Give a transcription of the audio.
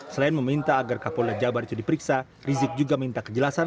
selain meminta agar kapolda jabar itu diperiksa rizik juga minta kejelasan